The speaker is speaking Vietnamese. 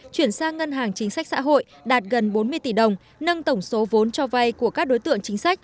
chuyển sang ngân hàng chính sách xã hội đạt gần bốn mươi tỷ đồng nâng tổng số vốn cho vay của các đối tượng chính sách